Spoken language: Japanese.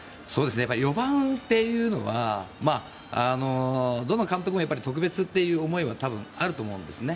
４番っていうのはどの監督も特別という思いは多分あると思うんですね。